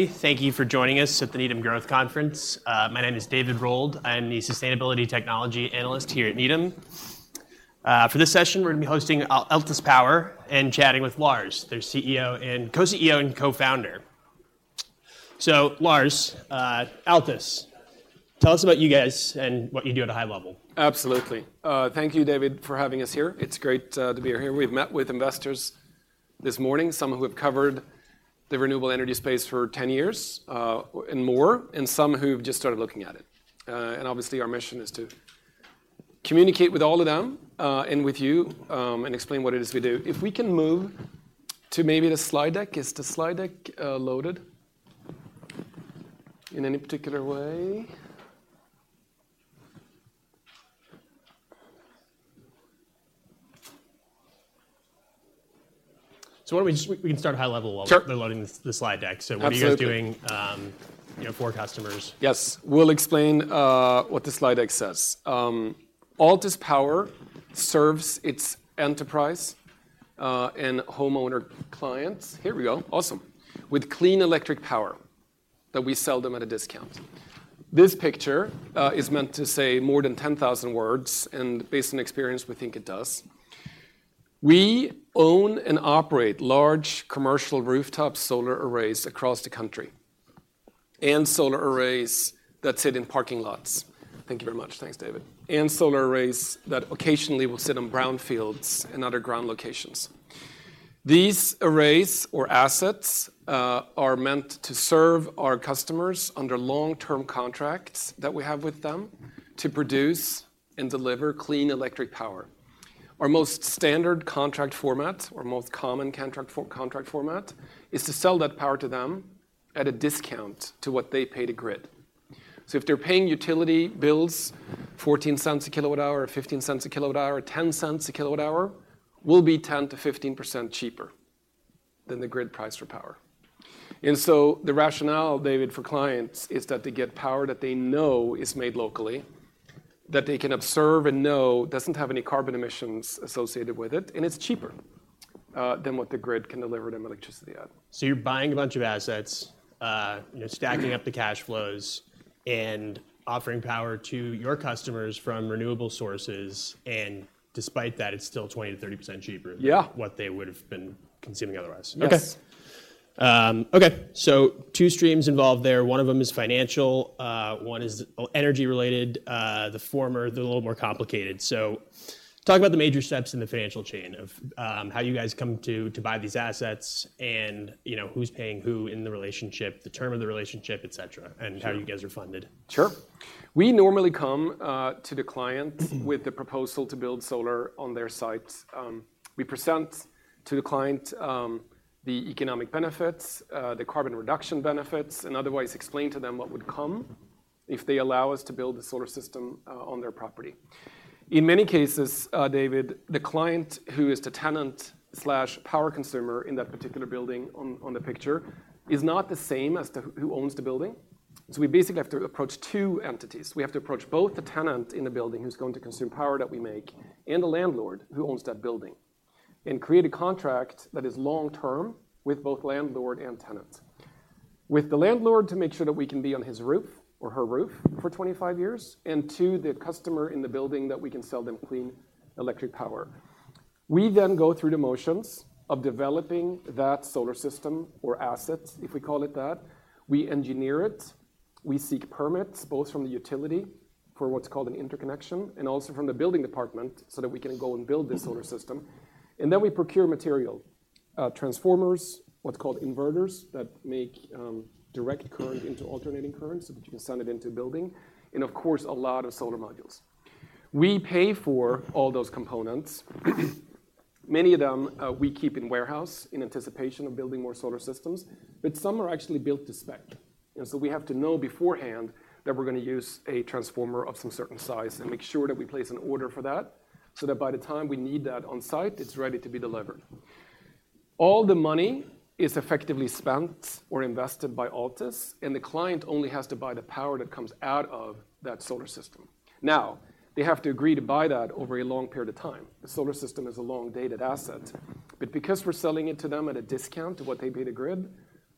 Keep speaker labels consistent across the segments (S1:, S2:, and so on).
S1: Thank you for joining us at the Needham Growth Conference. My name is David Rold. I am the sustainability technology analyst here at Needham. For this session, we're gonna be hosting Altus Power, and chatting with Lars, their co-CEO and co-founder. So Lars, tell us about you guys and what you do at a high level.
S2: Absolutely. Thank you, David, for having us here. It's great to be here. We've met with investors this morning, some of who have covered the renewable energy space for ten years, and more, and some who've just started looking at it. Obviously, our mission is to communicate with all of them, and with you, and explain what it is we do. If we can move to maybe the slide deck? Is the slide deck loaded in any particular way? We can start high level. Sure.
S1: while they're loading the slide deck.
S2: Absolutely.
S1: So what are you guys doing, you know, for customers?
S2: Yes. We'll explain what the slide deck says. Altus Power serves its enterprise and homeowner clients... Here we go. Awesome... With clean electric power that we sell them at a discount. This picture is meant to say more than 10,000 words, and based on experience, we think it does. We own and operate large commercial rooftop solar arrays across the country, and solar arrays that sit in parking lots. Thank you very much. Thanks, David. And solar arrays that occasionally will sit on brownfields and other ground locations. These arrays or assets are meant to serve our customers under long-term contracts that we have with them to produce and deliver clean electric power. Our most standard contract format, or most common contract format, is to sell that power to them at a discount to what they pay the grid. If they're paying utility bills $0.14/kWh, or $0.15/kWh, or $0.10/kWh, we'll be 10%-15% cheaper than the grid price for power. So the rationale, David, for clients, is that they get power that they know is made locally, that they can observe and know doesn't have any carbon emissions associated with it, and it's cheaper than what the grid can deliver them electricity at.
S1: So you're buying a bunch of assets, you're stacking up the cash flows, and offering power to your customers from renewable sources, and despite that, it's still 20%-30% cheaper-
S2: Yeah...
S1: than what they would've been consuming otherwise.
S2: Yes.
S1: Okay. Okay, so two streams involved there. One of them is financial, one is energy related. The former, they're a little more complicated. So talk about the major steps in the financial chain of how you guys come to buy these assets, and, you know, who's paying who in the relationship, the term of the relationship, et cetera, and how you guys are funded.
S2: Sure. We normally come to the client with the proposal to build solar on their site. We present to the client the economic benefits, the carbon reduction benefits, and otherwise explain to them what would come if they allow us to build a solar system on their property. In many cases, David, the client, who is the tenant/power consumer in that particular building on the picture, is not the same as the who owns the building. So we basically have to approach two entities. We have to approach both the tenant in the building, who's going to consume power that we make, and the landlord, who owns that building, and create a contract that is long term with both landlord and tenants. With the landlord, to make sure that we can be on his roof or her roof for 25 years, and to the customer in the building, that we can sell them clean electric power. We then go through the motions of developing that solar system or asset, if we call it that. We engineer it, we seek permits, both from the utility, for what's called an interconnection, and also from the building department, so that we can go and build the solar system. We procure material, transformers, what's called inverters, that make direct current into alternating current, so that you can send it into a building, and of course, a lot of solar modules. We pay for all those components. Many of them, we keep in warehouse in anticipation of building more solar systems, but some are actually built to spec. We have to know beforehand that we're gonna use a transformer of some certain size and make sure that we place an order for that, so that by the time we need that on site, it's ready to be delivered. All the money is effectively spent or invested by Altus, and the client only has to buy the power that comes out of that solar system. Now, they have to agree to buy that over a long period of time. The solar system is a long-dated asset, but because we're selling it to them at a discount to what they pay the grid,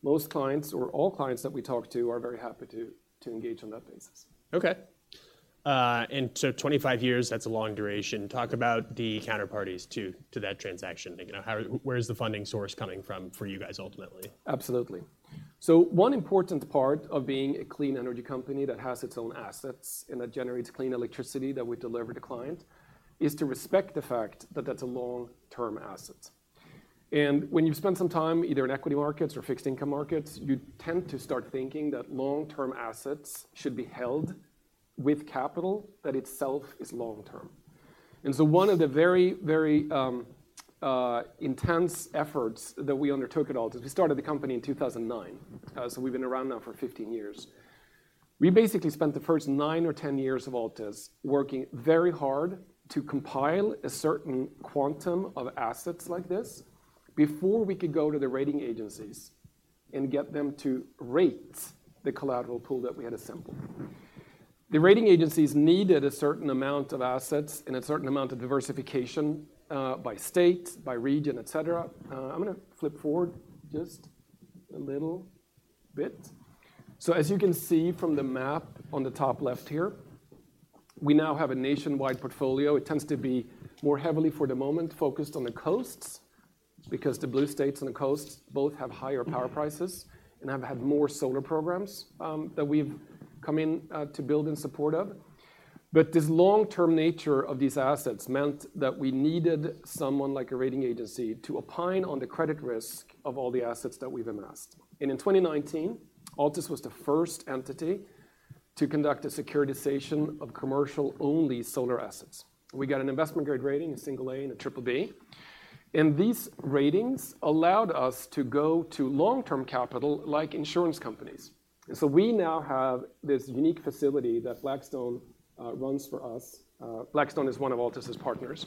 S2: most clients or all clients that we talk to are very happy to engage on that basis.
S1: Okay. And so 25 years, that's a long duration. Talk about the counterparties to, to that transaction. You know, where is the funding source coming from for you guys ultimately?
S2: Absolutely. So one important part of being a clean energy company that has its own assets and that generates clean electricity that we deliver to clients, is to respect the fact that that's a long-term asset. And when you've spent some time, either in equity markets or fixed income markets, you tend to start thinking that long-term assets should be held with capital, that itself is long term. And so one of the very, very, intense efforts that we undertook at Altus... We started the company in 2009, so we've been around now for 15 years. We basically spent the first nine or 10 years of Altus working very hard to compile a certain quantum of assets like this before we could go to the rating agencies and get them to rate-... the collateral pool that we had assembled. The rating agencies needed a certain amount of assets and a certain amount of diversification, by state, by region, et cetera. I'm gonna flip forward just a little bit. As you can see from the map on the top left here, we now have a nationwide portfolio. It tends to be more heavily, for the moment, focused on the coasts, because the blue states and the coasts both have higher power prices and have had more solar programs, that we've come in, to build in support of. But this long-term nature of these assets meant that we needed someone like a rating agency to opine on the credit risk of all the assets that we've amassed. In 2019, Altus was the first entity to conduct a securitization of commercial-only solar assets. We got an investment grade rating, a single A and a triple B, and these ratings allowed us to go to long-term capital, like insurance companies. We now have this unique facility that Blackstone runs for us. Blackstone is one of Altus' partners,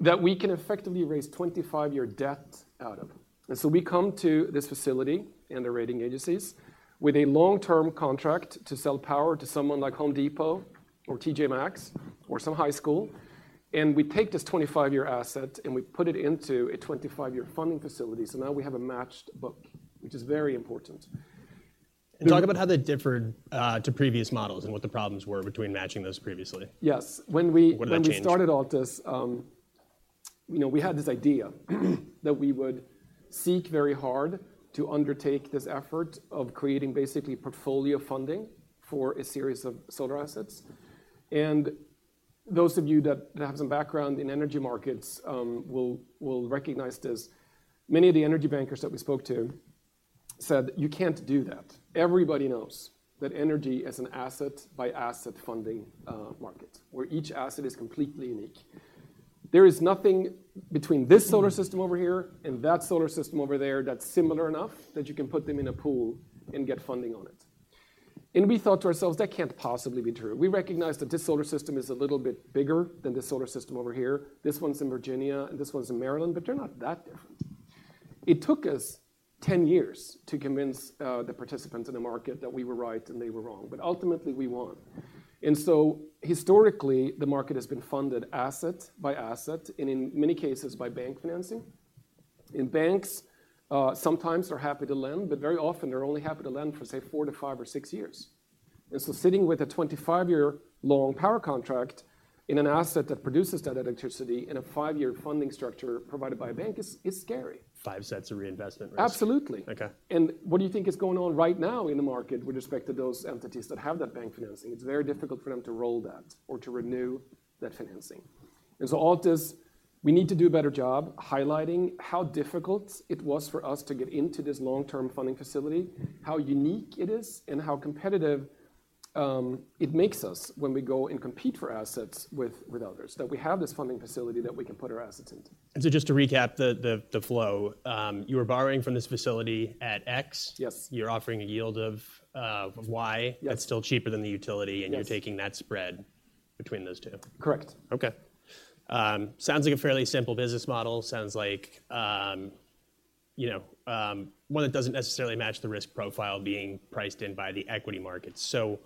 S2: that we can effectively raise 25-year debt out of. We come to this facility and the rating agencies with a long-term contract to sell power to someone like Home Depot or T.J. Maxx T.J. Maxx or some high school, and we take this 25-year asset, and we put it into a 25-year funding facility. Now we have a matched book, which is very important.
S1: Talk about how that differed to previous models and what the problems were between matching those previously?
S2: Yes. When we-
S1: What about changed?...
S2: when we started Altus, you know, we had this idea that we would seek very hard to undertake this effort of creating basically portfolio funding for a series of solar assets. And those of you that have some background in energy markets will recognize this. Many of the energy bankers that we spoke to said: "You can't do that. Everybody knows that energy is an asset-by-asset funding market, where each asset is completely unique. There is nothing between this solar system over here and that solar system over there that's similar enough that you can put them in a pool and get funding on it." And we thought to ourselves, "That can't possibly be true." We recognized that this solar system is a little bit bigger than this solar system over here. This one's in Virginia, and this one's in Maryland, but they're not that different. It took us 10 years to convince the participants in the market that we were right and they were wrong, but ultimately, we won. And so historically, the market has been funded asset by asset, and in many cases by bank financing. And banks sometimes are happy to lend, but very often they're only happy to lend for, say, 4 to 5 or 6 years. And so sitting with a 25-year long power contract in an asset that produces that electricity in a 5-year funding structure provided by a bank is scary.
S1: 5 sets of reinvestment risks.
S2: Absolutely.
S1: Okay.
S2: What do you think is going on right now in the market with respect to those entities that have that bank financing? It's very difficult for them to roll that or to renew that financing. So Altus, we need to do a better job highlighting how difficult it was for us to get into this long-term funding facility, how unique it is, and how competitive it makes us when we go and compete for assets with, with others, that we have this funding facility that we can put our assets into.
S1: And so just to recap the flow, you were borrowing from this facility at X?
S2: Yes.
S1: You're offering a yieldcos.
S2: Yes.
S1: That's still cheaper than the utility-
S2: Yes.
S1: and you're taking that spread between those two?
S2: Correct.
S1: Okay. Sounds like a fairly simple business model. Sounds like, you know, one that doesn't necessarily match the risk profile being priced in by the equity market. So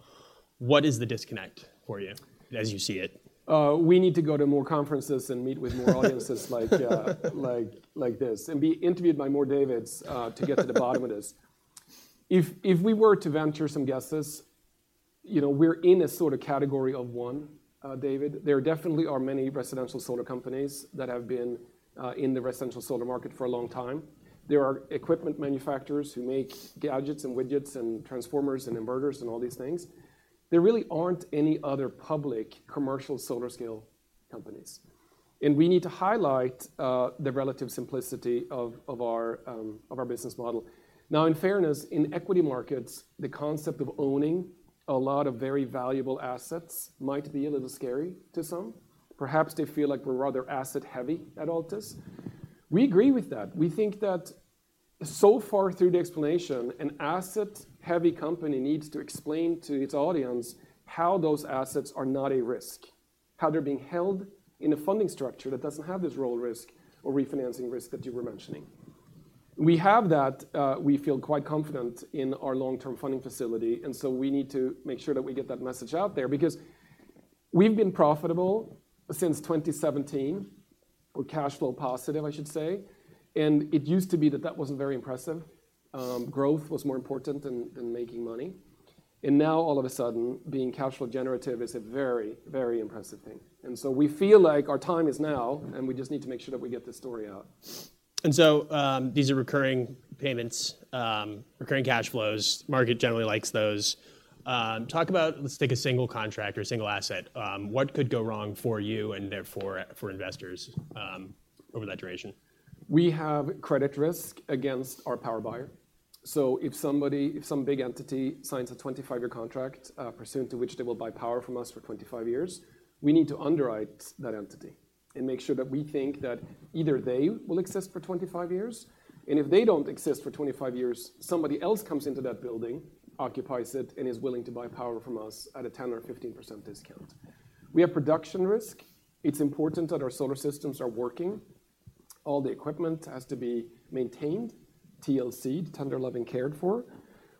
S1: what is the disconnect for you, as you see it?
S2: We need to go to more conferences and meet with more audiences—like, like this, and be interviewed by more Davids—to get to the bottom of this. If we were to venture some guesses, you know, we're in a sort of category of one, David. There definitely are many residential solar companies that have been in the residential solar market for a long time. There are equipment manufacturers who make gadgets and widgets and transformers and inverters, and all these things. There really aren't any other public commercial solar scale companies. We need to highlight the relative simplicity of our business model. Now, in fairness, in equity markets, the concept of owning a lot of very valuable assets might be a little scary to some. Perhaps they feel like we're rather asset-heavy at Altus. We agree with that. We think that so far through the explanation, an asset-heavy company needs to explain to its audience how those assets are not a risk, how they're being held in a funding structure that doesn't have this real risk or refinancing risk that you were mentioning. We have that, we feel quite confident in our long-term funding facility, and so we need to make sure that we get that message out there. Because we've been profitable since 2017, we're cash flow positive, I should say, and it used to be that that wasn't very impressive. Growth was more important than making money. And now all of a sudden, being cash flow generative is a very, very impressive thing. And so we feel like our time is now, and we just need to make sure that we get this story out.
S1: And so, these are recurring payments, recurring cash flows. Market generally likes those. Talk about... Let's take a single contract or a single asset, what could go wrong for you and therefore for investors, over that duration?
S2: We have credit risk against our power buyer. So if somebody, if some big entity signs a 25-year contract, pursuant to which they will buy power from us for 25 years, we need to underwrite that entity and make sure that we think that either they will exist for 25 years, and if they don't exist for 25 years, somebody else comes into that building, occupies it, and is willing to buy power from us at a 10% or 15% discount. We have production risk. It's important that our solar systems are working. All the equipment has to be maintained, TLC'd, tender, love, and cared for.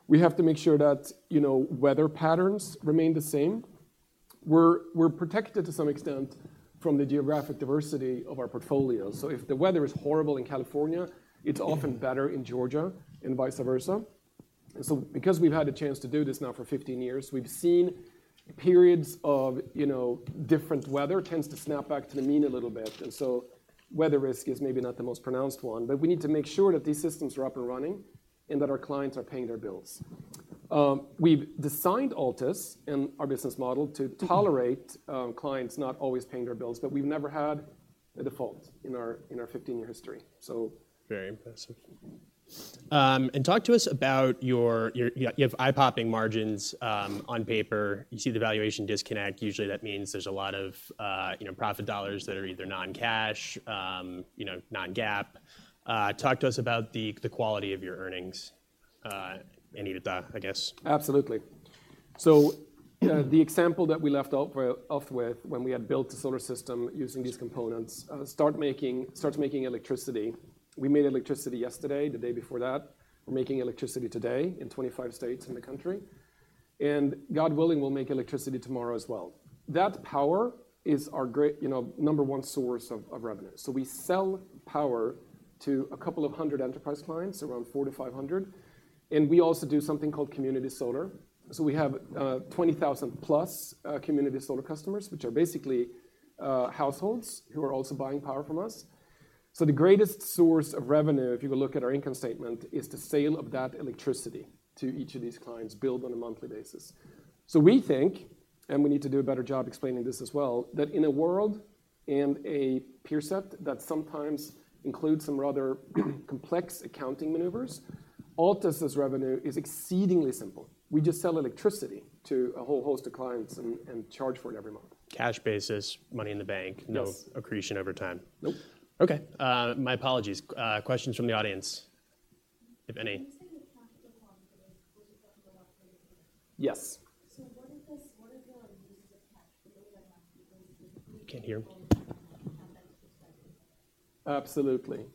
S2: We have to make sure that, you know, weather patterns remain the same. We're protected to some extent from the geographic diversity of our portfolio. So if the weather is horrible in California, it's often better in Georgia and vice versa. And so because we've had a chance to do this now for 15 years, we've seen periods of, you know, different weather tends to snap back to the mean a little bit. And so weather risk is maybe not the most pronounced one, but we need to make sure that these systems are up and running and that our clients are paying their bills. We've designed Altus and our business model to tolerate clients not always paying their bills, but we've never had a default in our 15-year history, so.
S1: Very impressive. Talk to us about your eye-popping margins on paper. You see the valuation disconnect. Usually, that means there's a lot of you know, profit dollars that are either non-cash you know, non-GAAP. Talk to us about the quality of your earnings and EBITDA, I guess.
S2: Absolutely. So, the example that we left off with, when we had built a solar system using these components, starts making electricity. We made electricity yesterday, the day before that. We're making electricity today in 25 states in the country, and God willing, we'll make electricity tomorrow as well. That power is our great—you know, number one source of revenue. So we sell power to a couple of hundred enterprise clients, around 400-500, and we also do something called community solar. So we have 20,000+ community solar customers, which are basically households who are also buying power from us. So the greatest source of revenue, if you will look at our income statement, is the sale of that electricity to each of these clients, billed on a monthly basis. So we think, and we need to do a better job explaining this as well, that in a world and a peer set that sometimes includes some rather complex accounting maneuvers, Altus's revenue is exceedingly simple. We just sell electricity to a whole host of clients and, and charge for it every month.
S1: Cash basis, money in the bank-
S2: Yes.
S1: - No accretion over time.
S2: Nope.
S1: Okay, my apologies. Questions from the audience, if any?
S3: You said you're cash flow positive... [inaudible]
S1: Yes.
S3: What is the use of cash..l [inaudible]
S1: Can't hear.
S2: Absolutely.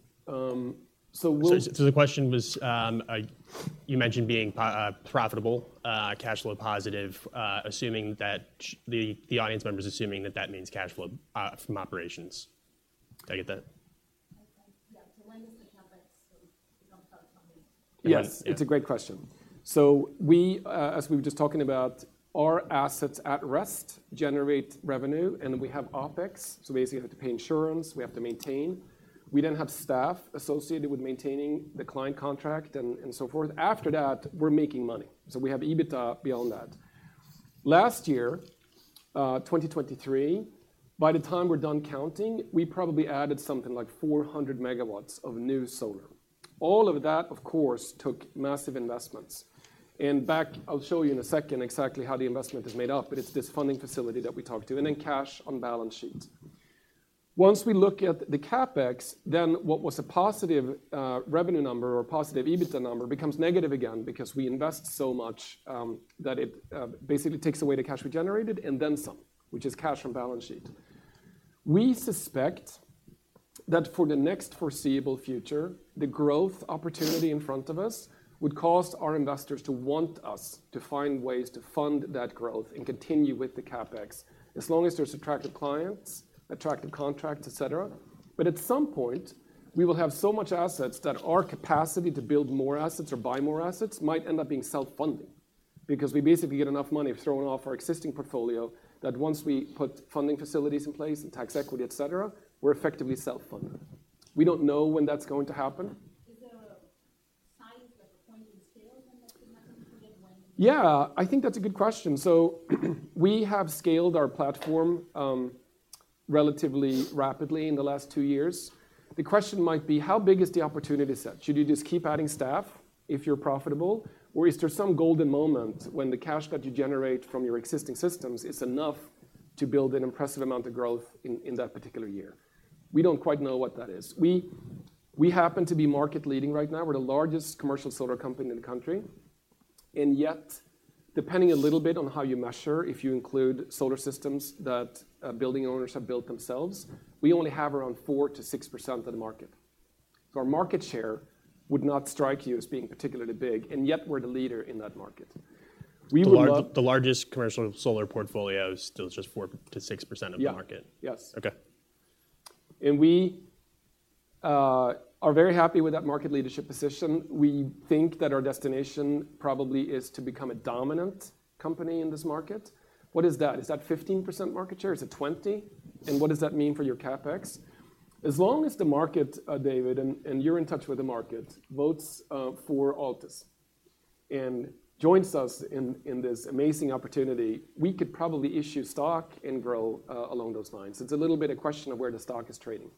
S2: So we'll-
S1: So, the question was, you mentioned being profitable, cash flow positive, assuming that the audience member is assuming that that means cash flow from operations. Did I get that?
S3: Yeah. So when does the CapEx...r [inaudible]
S2: Yes, it's a great question. So we, as we were just talking about, our assets at rest generate revenue, and we have OpEx, so we basically have to pay insurance, we have to maintain. We then have staff associated with maintaining the client contract and so forth. After that, we're making money. So we have EBITDA beyond that. Last year, 2023, by the time we're done counting, we probably added something like 400 MW of new solar. All of that, of course, took massive investments. And back, I'll show you in a second exactly how the investment is made up, but it's this funding facility that we talked to, and then cash on balance sheet. Once we look at the CapEx, then what was a positive revenue number or positive EBITDA number becomes negative again because we invest so much that it basically takes away the cash we generated and then some, which is cash on balance sheet. We suspect that for the next foreseeable future, the growth opportunity in front of us would cause our investors to want us to find ways to fund that growth and continue with the CapEx as long as there's attractive clients, attractive contracts, et cetera. But at some point, we will have so much assets that our capacity to build more assets or buy more assets might end up being self-funding because we basically get enough money thrown off our existing portfolio that once we put funding facilities in place and tax equity, et cetera, we're effectively self-funded. We don't know when that's going to happen.
S3: Is there a size or point of scale when that could happen?
S2: Yeah, I think that's a good question. So we have scaled our platform, relatively rapidly in the last two years. The question might be: how big is the opportunity set? Should you just keep adding staff if you're profitable, or is there some golden moment when the cash that you generate from your existing systems is enough to build an impressive amount of growth in, in that particular year? We don't quite know what that is. We, we happen to be market-leading right now. We're the largest commercial solar company in the country, and yet, depending a little bit on how you measure, if you include solar systems that, building owners have built themselves, we only have around 4%-6% of the market. So our market share would not strike you as being particularly big, and yet we're the leader in that market. We would love-
S1: The largest commercial solar portfolio is still just 4%-6% of the market.
S2: Yeah. Yes.
S1: Okay.
S2: We are very happy with that market leadership position. We think that our destination probably is to become a dominant company in this market. What is that? Is that 15% market share? Is it 20? And what does that mean for your CapEx? As long as the market, David, and you're in touch with the market, votes for Altus and joins us in this amazing opportunity, we could probably issue stock and grow along those lines. It's a little bit a question of where the stock is trading.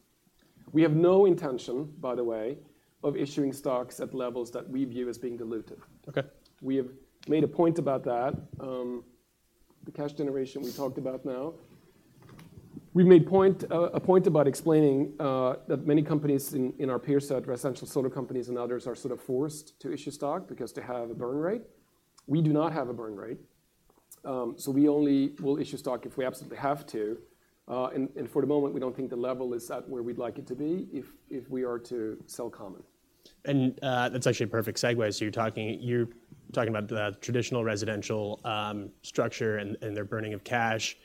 S2: We have no intention, by the way, of issuing stocks at levels that we view as being diluted.
S1: Okay.
S2: We have made a point about that. The cash generation we talked about now. We made a point about explaining that many companies in our peer set, residential solar companies and others, are sort of forced to issue stock because they have a burn rate. We do not have a burn rate.... So we only will issue stock if we absolutely have to. And for the moment, we don't think the level is at where we'd like it to be, if we are to sell common.
S1: And, that's actually a perfect segue. So you're talking, you're talking about the traditional residential, structure and, and their burning of cash.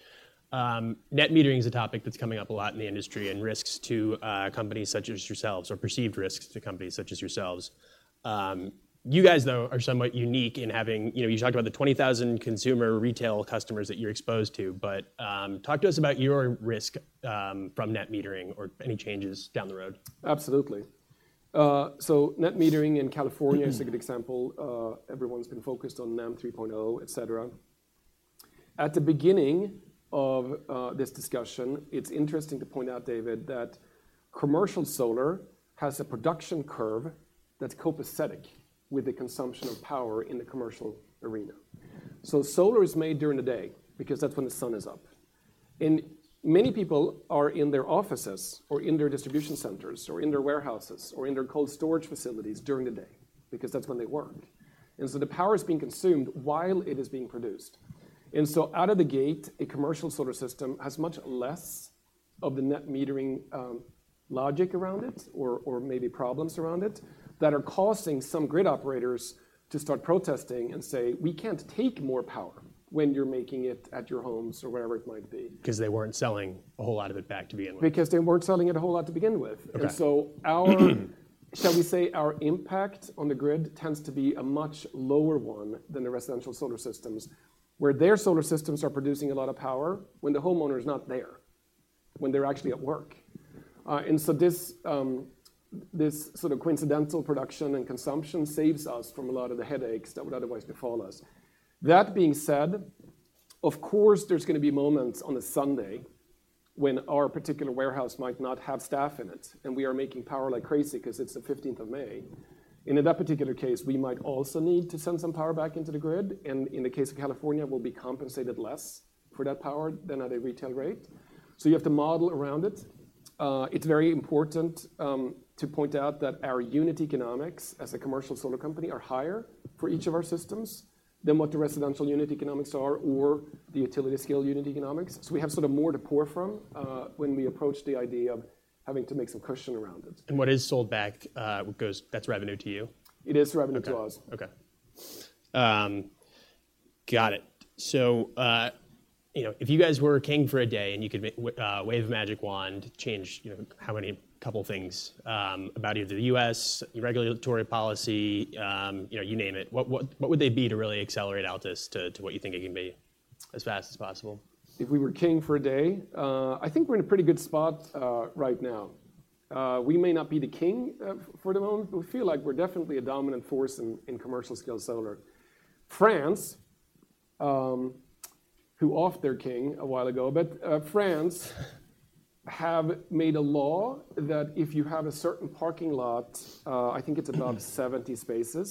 S1: net metering is a topic that's coming up a lot in the industry, and risks to, companies such as yourselves, or perceived risks to companies such as yourselves. You guys, though, are somewhat unique in having— you know, you talked about the 20,000 consumer retail customers that you're exposed to, but, talk to us about your risk, from net metering or any changes down the road.
S2: Absolutely. So net metering in California is a good example. Everyone's been focused on NEM 3.0, et cetera. At the beginning of this discussion, it's interesting to point out, David, that commercial solar has a production curve that's copacetic with the consumption of power in the commercial arena. So solar is made during the day, because that's when the sun is up, and many people are in their offices or in their distribution centers or in their warehouses or in their cold storage facilities during the day, because that's when they work. And so the power is being consumed while it is being produced. Out of the gate, a commercial solar system has much less of the net metering logic around it, or maybe problems around it, that are causing some grid operators to start protesting and say, "We can't take more power when you're making it at your homes," or wherever it might be.
S1: Because they weren't selling a whole lot of it back to begin with.
S2: Because they weren't selling it a whole lot to begin with.
S1: Okay.
S2: And so, shall we say, our impact on the grid tends to be a much lower one than the residential solar systems, where their solar systems are producing a lot of power when the homeowner is not there, when they're actually at work. And so this sort of coincidental production and consumption saves us from a lot of the headaches that would otherwise befall us. That being said, of course, there's gonna be moments on a Sunday when our particular warehouse might not have staff in it, and we are making power like crazy 'cause it's the 15th of May, and in that particular case, we might also need to send some power back into the grid, and in the case of California, we'll be compensated less for that power than at a retail rate. So you have to model around it. It's very important to point out that our unit economics, as a commercial solar company, are higher for each of our systems than what the residential unit economics are or the utility scale unit economics. So we have sort of more to pour from when we approach the idea of having to make some cushion around it.
S1: And what is sold back goes, that's revenue to you?
S2: It is revenue to us.
S1: Okay. Got it. So, you know, if you guys were king for a day, and you could wave a magic wand, change, you know, how many couple things about either the U.S., regulatory policy, you know, you name it, what, what, what would they be to really accelerate Altus to, to what you think it can be, as fast as possible?
S2: If we were king for a day? I think we're in a pretty good spot, right now. We may not be the king, for the moment, but we feel like we're definitely a dominant force in commercial scale solar. France, who offed their king a while ago, but France have made a law that if you have a certain parking lot, I think it's above 70 spaces,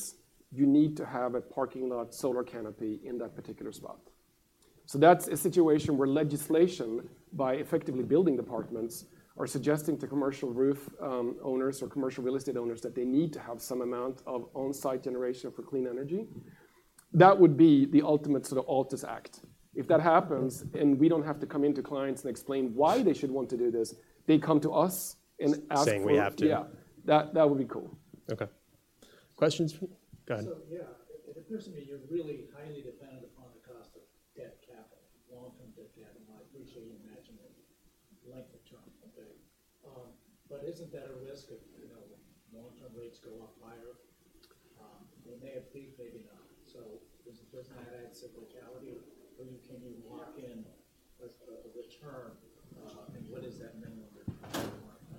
S2: you need to have a parking lot solar canopy in that particular spot. So that's a situation where legislation, by effectively building departments, are suggesting to commercial roof owners or commercial real estate owners that they need to have some amount of on-site generation for clean energy. That would be the ultimate sort of Altus act. If that happens, and we don't have to come into clients and explain why they should want to do this, they come to us and ask for-
S1: Saying, "We have to.
S2: Yeah. That would be cool.
S1: Okay. Questions for... Go ahead.
S4: So, yeah, it appears to me you're really highly dependent upon the cost of debt capital, long-term debt capital, and I appreciate you imagining length of term, okay? But isn't that a risk if, you know, long-term rates go up higher? They may have peaked, maybe not. So does that add cyclicality, or can you lock in a return, and what does that mean on the line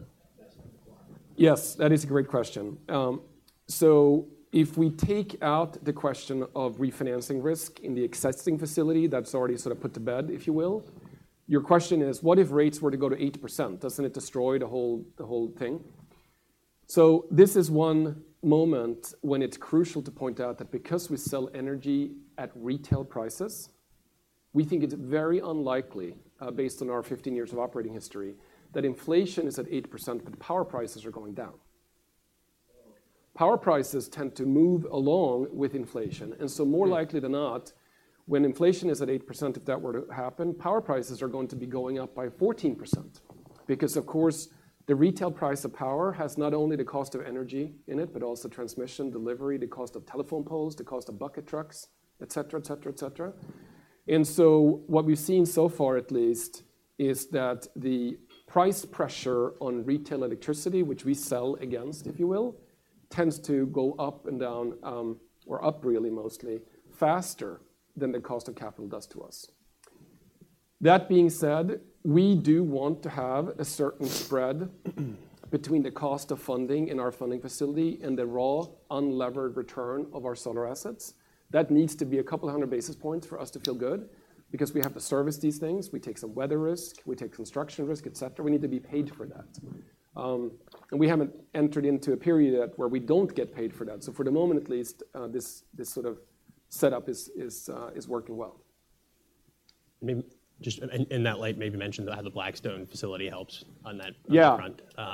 S4: of investment required?
S2: Yes, that is a great question. So if we take out the question of refinancing risk in the existing facility, that's already sort of put to bed, if you will, your question is: What if rates were to go to 8%? Doesn't it destroy the whole, the whole thing? So this is one moment when it's crucial to point out that because we sell energy at retail prices, we think it's very unlikely, based on our 15 years of operating history, that inflation is at 8%, but power prices are going down.
S4: Oh.
S2: Power prices tend to move along with inflation, and so more likely than not, when inflation is at 8%, if that were to happen, power prices are going to be going up by 14%. Because, of course, the retail price of power has not only the cost of energy in it, but also transmission, delivery, the cost of telephone poles, the cost of bucket trucks, et cetera, et cetera, et cetera. And so what we've seen so far, at least, is that the price pressure on retail electricity, which we sell against, if you will, tends to go up and down, or up really mostly, faster than the cost of capital does to us. That being said, we do want to have a certain spread between the cost of funding and our funding facility and the raw, unlevered return of our solar assets. That needs to be 200 basis points for us to feel good, because we have to service these things. We take some weather risk, we take construction risk, et cetera. We need to be paid for that. And we haven't entered into a period yet where we don't get paid for that. So for the moment at least, this sort of setup is working well....
S1: maybe just in that light, maybe mention how the Blackstone facility helps on that-
S2: Yeah.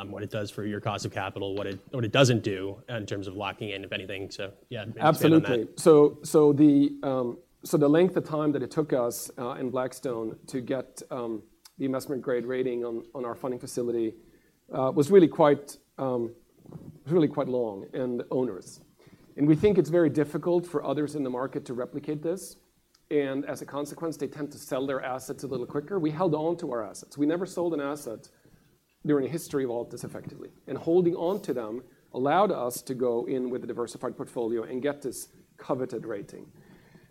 S1: what it does for your cost of capital, what it doesn't do in terms of locking in, if anything. So, yeah, maybe expand on that.
S2: Absolutely. So the length of time that it took us and Blackstone to get the Investment Grade Rating on our funding facility was really quite long and onerous. And we think it's very difficult for others in the market to replicate this, and as a consequence, they tend to sell their assets a little quicker. We held on to our assets. We never sold an asset during the history of Altus effectively. And holding on to them allowed us to go in with a diversified portfolio and get this coveted rating.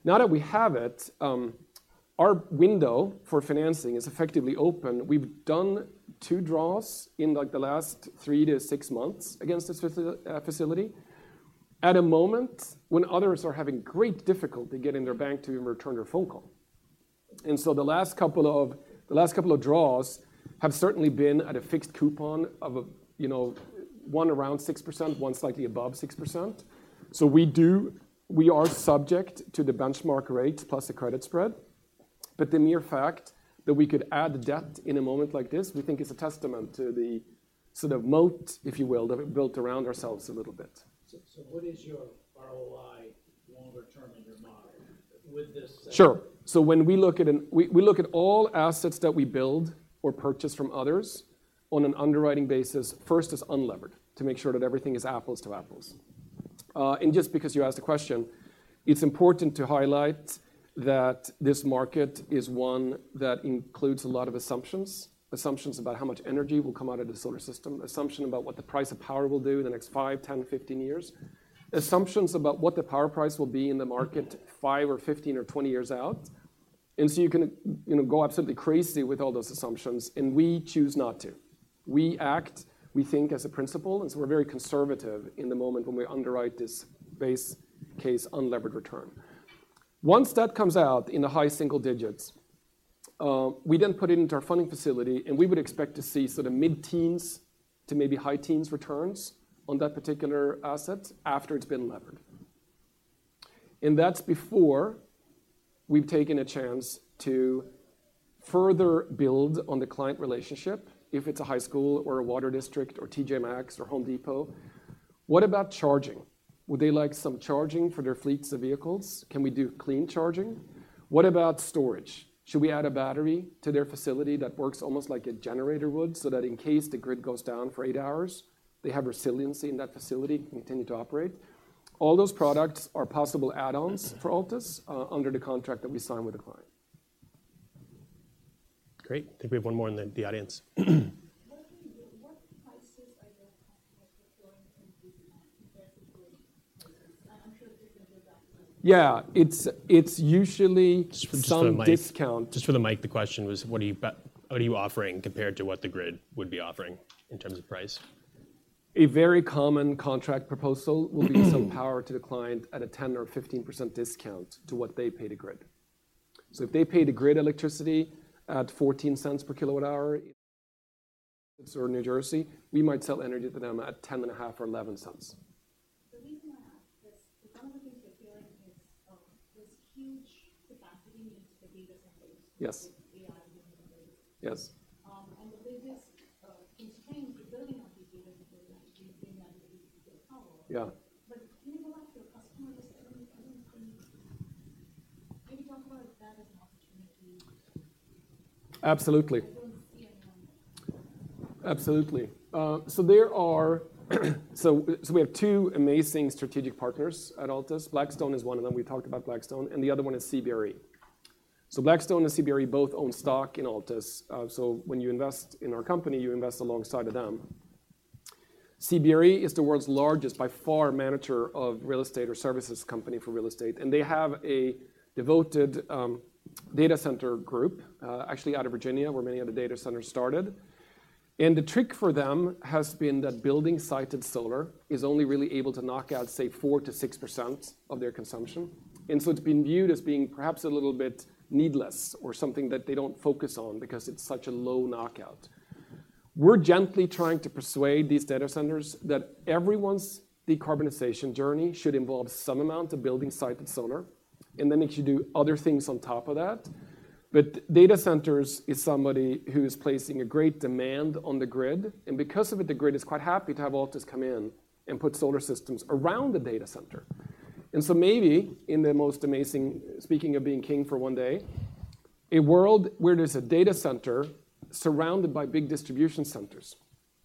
S2: Now that we have it, our window for financing is effectively open. We've done two draws in, like, the last three to six months against this facility, at a moment when others are having great difficulty getting their bank to return their phone call. The last couple of draws have certainly been at a fixed coupon of, you know, one around 6%, one slightly above 6%. We do, we are subject to the benchmark rate plus the credit spread, but the mere fact that we could add debt in a moment like this, we think is a testament to the sort of moat, if you will, that we've built around ourselves a little bit.
S4: So, what is your ROI longer term in your model with this?
S2: Sure. So when we look at all assets that we build or purchase from others on an underwriting basis, first is unlevered, to make sure that everything is apples to apples. And just because you asked the question, it's important to highlight that this market is one that includes a lot of assumptions. Assumptions about how much energy will come out of the solar system, assumption about what the price of power will do in the next 5, 10, 15 years, assumptions about what the power price will be in the market, 5 or 15 or 20 years out. And so you can, you know, go absolutely crazy with all those assumptions, and we choose not to. We act, we think, as a principle, and so we're very conservative in the moment when we underwrite this base case unlevered return. Once that comes out in the high single digits, we then put it into our funding facility, and we would expect to see sort of mid-teens to maybe high teens returns on that particular asset after it's been levered. And that's before we've taken a chance to further build on the client relationship, if it's a high school or a water district or TJ Maxx or Home Depot. What about charging? Would they like some charging for their fleets of vehicles? Can we do clean charging? What about storage? Should we add a battery to their facility that works almost like a generator would, so that in case the grid goes down for eight hours, they have resiliency in that facility, continue to operate? All those products are possible add-ons for Altus, under the contract that we sign with the client.
S1: Great. I think we have one more in the audience.
S5: What prices are the...? [inaudible]
S2: Yeah, it's usually some discount.
S1: Just for the mic, the question was: what are you offering compared to what the grid would be offering in terms of price?
S2: A very common contract proposal will be some power to the client at a 10% or 15% discount to what they pay the grid. So if they pay the grid electricity at $0.14 per kWh, or New Jersey, we might sell energy to them at $0.105 or $0.11.
S5: The reason I ask is, some of the things we're hearing is, this huge capacity into the data centers. [inaudible]
S2: Yes.
S5: AI... [inaudible]
S2: Yes.
S5: The biggest constraint to building up these data centers is actually power.
S2: Yeah.
S5: But can you go back to your customers? Can you talk about that as an opportunity? [inaudible]
S2: Absolutely.
S5: I don't see anyone. [inaudible]
S2: Absolutely. So we have two amazing strategic partners at Altus. Blackstone is one of them. We talked about Blackstone, and the other one is CBRE. So Blackstone and CBRE both own stock in Altus. So when you invest in our company, you invest alongside of them. CBRE is the world's largest, by far, manager of real estate or services company for real estate, and they have a devoted data center group actually out of Virginia, where many of the data centers started. And the trick for them has been that building-sited solar is only really able to knock out, say, 4%-6% of their consumption. And so it's been viewed as being perhaps a little bit needless or something that they don't focus on because it's such a low knockout. We're gently trying to persuade these data centers that everyone's decarbonization journey should involve some amount of building-sited solar, and then they should do other things on top of that. But data centers is somebody who is placing a great demand on the grid, and because of it, the grid is quite happy to have Altus come in and put solar systems around the data center. And so maybe in the most amazing, speaking of being king for one day, a world where there's a data center surrounded by big distribution centers,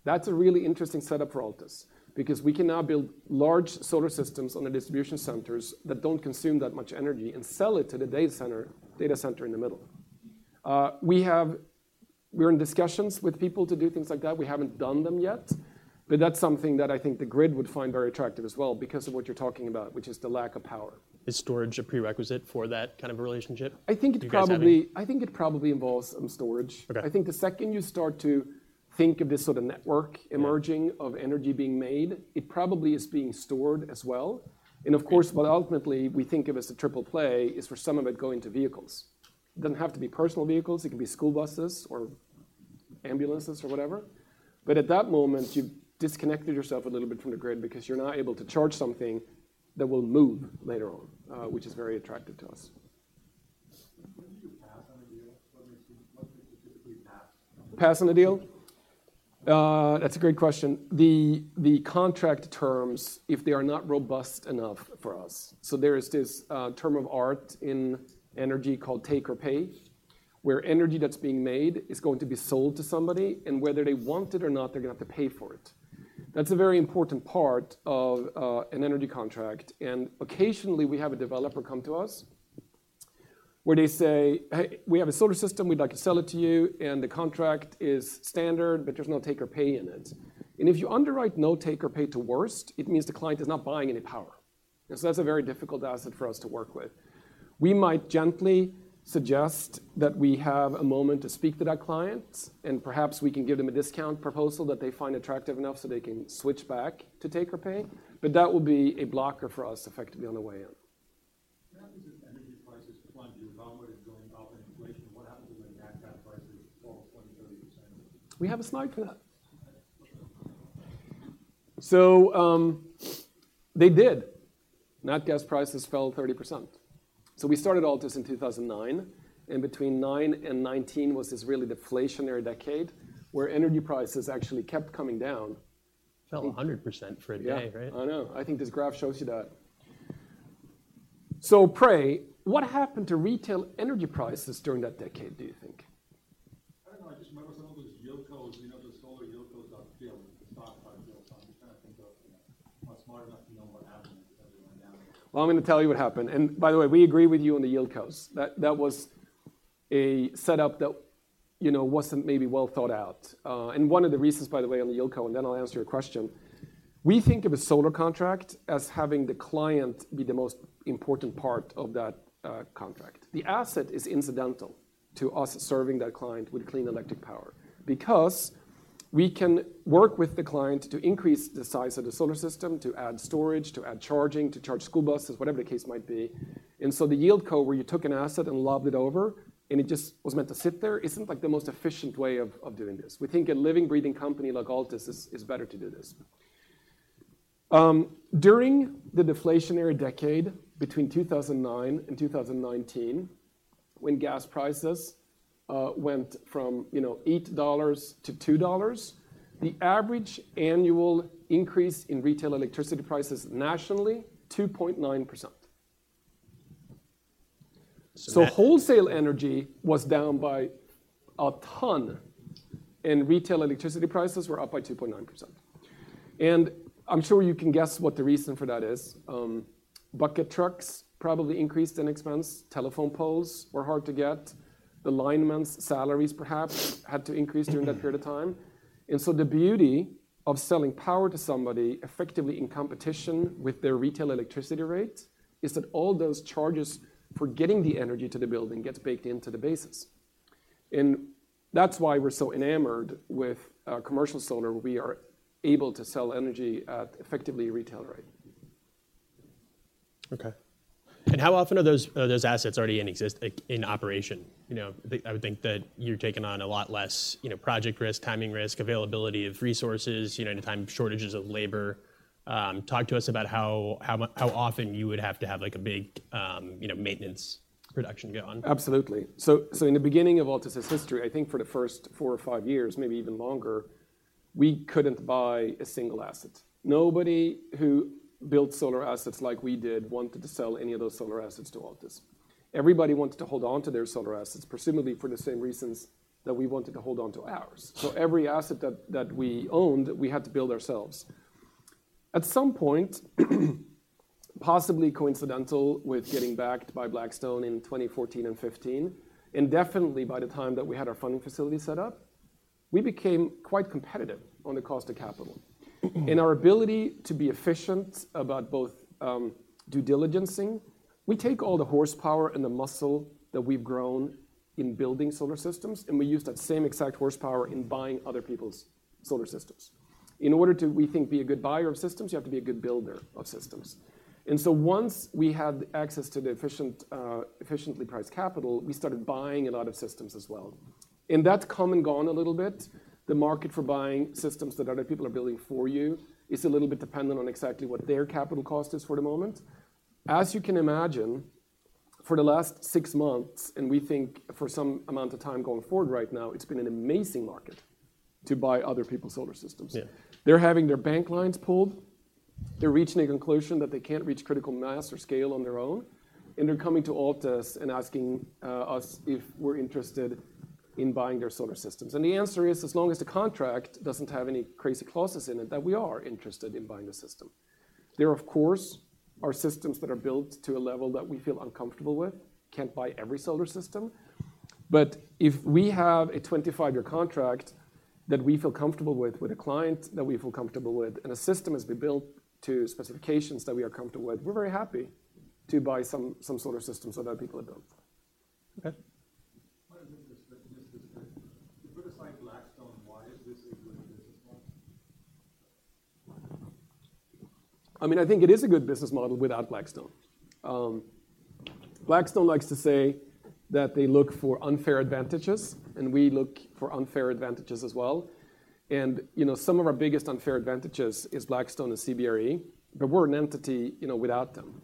S2: that's a really interesting setup for Altus, because we can now build large solar systems on the distribution centers that don't consume that much energy and sell it to the data center, data center in the middle. We're in discussions with people to do things like that. We haven't done them yet, but that's something that I think the grid would find very attractive as well because of what you're talking about, which is the lack of power.
S1: Is storage a prerequisite for that kind of a relationship?
S2: I think it probably involves some storage.
S1: Okay.
S2: I think the second you start to think of this sort of network-
S1: Yeah...
S2: emerging, of energy being made, it probably is being stored as well.
S1: Okay.
S2: Of course, what ultimately we think of as a triple play is for some of it going to vehicles. It doesn't have to be personal vehicles, it can be school buses or ambulances or whatever. But at that moment, you've disconnected yourself a little bit from the grid because you're not able to charge something that will move later on, which is very attractive to us. When did you pass on a deal? What was the typical pass?inaudible] Pass on a deal? That's a great question. The contract terms, if they are not robust enough for us. So there is this term of art in energy called take or pay, where energy that's being made is going to be sold to somebody, and whether they want it or not, they're gonna have to pay for it. That's a very important part of an energy contract, and occasionally, we have a developer come to us where they say, "Hey, we have a solar system, we'd like to sell it to you, and the contract is standard, but there's no take or pay in it." And if you underwrite no take or pay to worst, it means the client is not buying any power. And so that's a very difficult asset for us to work with. We might gently suggest that we have a moment to speak to that client, and perhaps we can give them a discount proposal that they find attractive enough so they can switch back to take or pay, but that will be a blocker for us effectively on the way in. What happens if energy prices plunge? Your model is going off on inflation. What happens when nat gas prices fall 20%-30%? [inaudible] We have a slide for that. So, they did. Nat gas prices fell 30%. So we started Altus in 2009, and between 2009 and 2019 was this really deflationary decade, where energy prices actually kept coming down-
S1: Fell 100% for a day, right?
S2: Yeah. I know. I think this graph shows you that. So pray, what happened to retail energy prices during that decade, do you think? I don't know. I just remember some of those YieldCos, you know, those solar YieldCos got killed, the stock price yield. So I'm trying to think of... I'm not smart enough to know what happened, everything went down. [inaudible] Well, I'm gonna tell you what happened. And by the way, we agree with you on the YieldCos. That was a setup that, you know, wasn't maybe well thought out. And one of the reasons, by the way, on the YieldCos, and then I'll answer your question, we think of a solar contract as having the client be the most important part of that contract. The asset is incidental to us serving that client with clean electric power. Because we can work with the client to increase the size of the solar system, to add storage, to add charging, to charge school buses, whatever the case might be. And so the YieldCos, where you took an asset and lobbed it over, and it just was meant to sit there, isn't, like, the most efficient way of doing this. We think a living, breathing company like Altus is, is better to do this. During the deflationary decade, between 2009 and 2019, when gas prices went from, you know, $8 to $2, the average annual increase in retail electricity prices nationally, 2.9%. So wholesale energy was down by a ton, and retail electricity prices were up by 2.9%. And I'm sure you can guess what the reason for that is. Bucket trucks probably increased in expense, telephone poles were hard to get. The linemen's salaries perhaps had to increase during that period of time. And so the beauty of selling power to somebody effectively in competition with their retail electricity rates, is that all those charges for getting the energy to the building gets baked into the basis. And that's why we're so enamored with commercial solar, where we are able to sell energy at effectively retail rate.
S1: Okay. And how often are those assets already in operation? You know, I would think that you're taking on a lot less, you know, project risk, timing risk, availability of resources, you know, any time shortages of labor. Talk to us about how often you would have to have, like, a big, you know, maintenance production go on.
S2: Absolutely. So, so in the beginning of Altus' history, I think for the first four or five years, maybe even longer, we couldn't buy a single asset. Nobody who built solar assets like we did, wanted to sell any of those solar assets to Altus. Everybody wanted to hold on to their solar assets, presumably for the same reasons that we wanted to hold on to ours. So every asset that, that we owned, we had to build ourselves. At some point, possibly coincidental with getting backed by Blackstone in 2014 and 2015, and definitely by the time that we had our funding facility set up, we became quite competitive on the cost of capital. In our ability to be efficient about both, due diligencing, we take all the horsepower and the muscle that we've grown in building solar systems, and we use that same exact horsepower in buying other people's solar systems. In order to, we think, be a good buyer of systems, you have to be a good builder of systems. And so once we had access to the efficient, efficiently priced capital, we started buying a lot of systems as well. And that's come and gone a little bit. The market for buying systems that other people are building for you, is a little bit dependent on exactly what their capital cost is for the moment. As you can imagine, for the last six months, and we think for some amount of time going forward right now, it's been an amazing market to buy other people's solar systems.
S1: Yeah.
S2: They're having their bank lines pulled, they're reaching a conclusion that they can't reach critical mass or scale on their own, and they're coming to Altus and asking us if we're interested in buying their solar systems. The answer is, as long as the contract doesn't have any crazy clauses in it, that we are interested in buying the system. There, of course, are systems that are built to a level that we feel uncomfortable with, can't buy every solar system. But if we have a 25-year contract that we feel comfortable with, with a client that we feel comfortable with, and a system has been built to specifications that we are comfortable with, we're very happy to buy some, some solar systems so that people are built.
S1: Okay. What is this... You put aside Blackstone, why is this a good investment? [inaudible]
S2: I mean, I think it is a good business model without Blackstone. Blackstone likes to say that they look for unfair advantages, and we look for unfair advantages as well. And, you know, some of our biggest unfair advantages is Blackstone and CBRE, but we're an entity, you know, without them.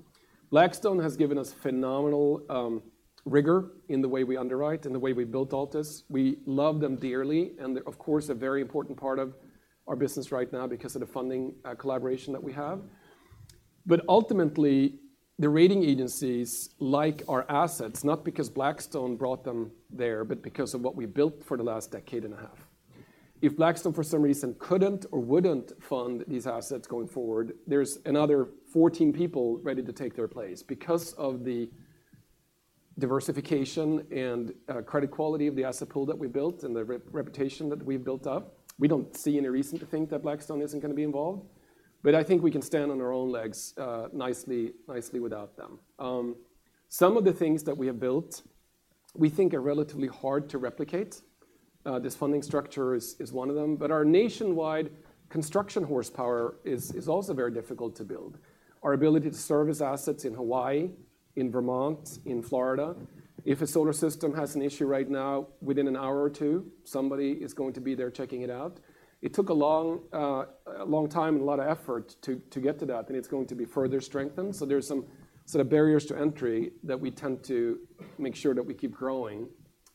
S2: Blackstone has given us phenomenal rigor in the way we underwrite and the way we built Altus. We love them dearly, and they're, of course, a very important part of our business right now because of the funding collaboration that we have. But ultimately, the rating agencies like our assets, not because Blackstone brought them there, but because of what we built for the last decade and a half. If Blackstone, for some reason, couldn't or wouldn't fund these assets going forward, there's another 14 people ready to take their place. Because of the diversification and credit quality of the asset pool that we built and the reputation that we've built up, we don't see any reason to think that Blackstone isn't gonna be involved, but I think we can stand on our own legs nicely, nicely without them. Some of the things that we have built, we think are relatively hard to replicate. This funding structure is one of them, but our nationwide construction horsepower is also very difficult to build. Our ability to service assets in Hawaii, in Vermont, in Florida, if a solar system has an issue right now, within an hour or two, somebody is going to be there checking it out. It took a long, a long time and a lot of effort to get to that, and it's going to be further strengthened. So there's some sort of barriers to entry that we tend to make sure that we keep growing,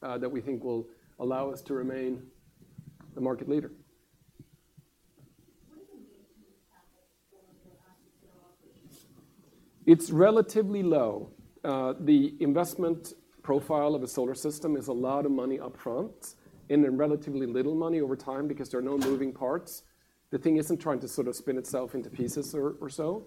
S2: that we think will allow us to remain the market leader.
S3: What is the maintenance capital for the Altus corporation? [inaudible]
S2: It's relatively low. The investment profile of a solar system is a lot of money upfront and then relatively little money over time because there are no moving parts. The thing isn't trying to sort of spin itself into pieces or so.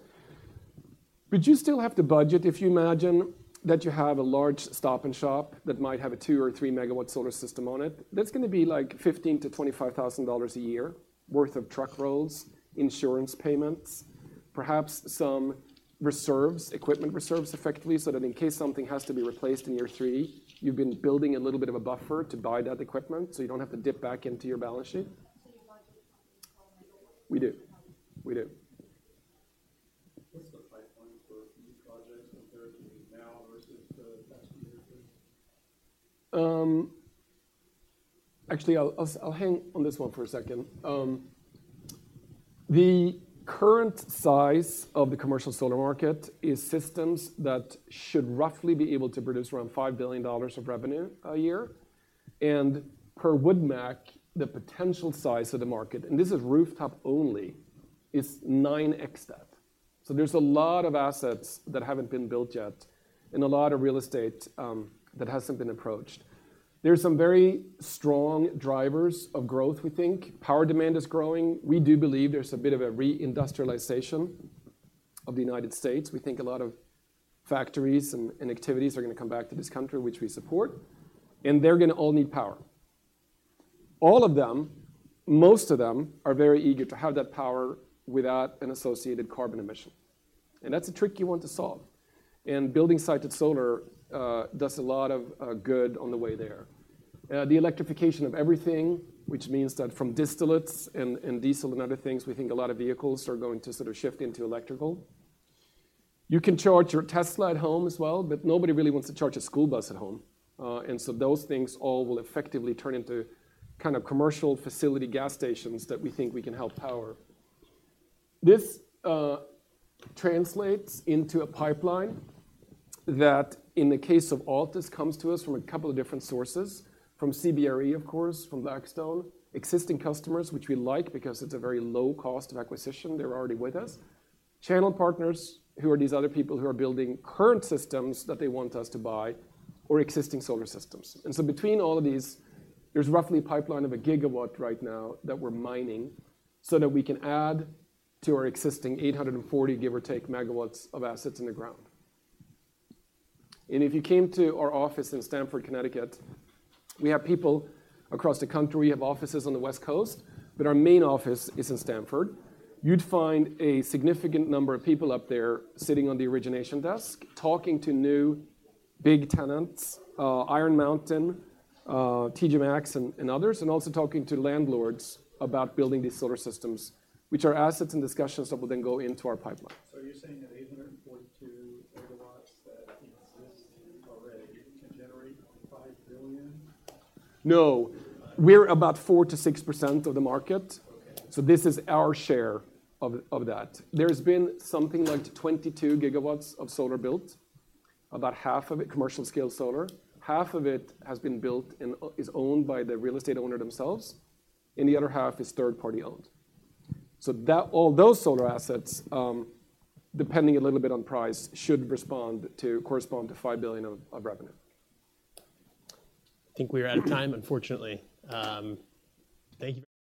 S2: But you still have to budget. If you imagine that you have a large Stop & Shop that might have a 2- or 3-MW solar system on it, that's gonna be like $15,000-$25,000 a year worth of truck rolls, insurance payments, perhaps some reserves, equipment reserves, effectively, so that in case something has to be replaced in year three, you've been building a little bit of a buffer to buy that equipment, so you don't have to dip back into your balance sheet.
S3: So you budget for it? [inaudible]
S2: We do. We do. What's the pipeline for new projects compared to now versus the past few years? [inaudible] Actually, I'll hang on this one for a second. The current size of the commercial solar market is systems that should roughly be able to produce around $5 billion of revenue a year, and per Wood Mackenzie, the potential size of the market, and this is rooftop only, is 9x that. So there's a lot of assets that haven't been built yet and a lot of real estate that hasn't been approached. There are some very strong drivers of growth, we think. Power demand is growing. We do believe there's a bit of a re-industrialization of the United States. We think a lot of factories and activities are gonna come back to this country, which we support, and they're gonna all need power. All of them, most of them, are very eager to have that power without an associated carbon emission, and that's a trick you want to solve, and building-sited solar does a lot of good on the way there. The electrification of everything, which means that from distillates and diesel and other things, we think a lot of vehicles are going to sort of shift into electrical. You can charge your Tesla at home as well, but nobody really wants to charge a school bus at home. And so those things all will effectively turn into kind of commercial facility gas stations that we think we can help power. This translates into a pipeline that, in the case of Altus, comes to us from a couple of different sources: from CBRE, of course, from Blackstone, existing customers, which we like because it's a very low cost of acquisition, they're already with us, channel partners, who are these other people who are building current systems that they want us to buy, or existing solar systems. And so between all of these, there's roughly a pipeline of 1 GW right now that we're mining so that we can add to our existing 840, give or take, MW of assets in the ground. And if you came to our office in Stamford, Connecticut, we have people across the country, we have offices on the West Coast, but our main office is in Stamford. You'd find a significant number of people up there sitting on the origination desk, talking to new big tenants, Iron Mountain, TJ Maxx, and, and others, and also talking to landlords about building these solar systems, which are assets and discussions that will then go into our pipeline. So are you saying that 842 MW that exist already can generate $5 billion? [inaudible] No, we're about 4%-6% of the market- So this is our share of that. There's been something like 22 GW of solar built, about half of it commercial scale solar. Half of it has been built and is owned by the real estate owner themselves, and the other half is third-party owned. So that all those solar assets, depending a little bit on price, should correspond to $5 billion of revenue.
S1: I think we are out of time, unfortunately. Thank you.